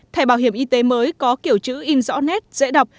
thẻ bảo hiểm y tế mới có kiểu chữ in rõ nét dễ đọc